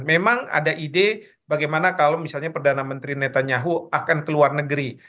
memang ada ide bagaimana kalau misalnya perdana menteri netanyahu akan ke luar negeri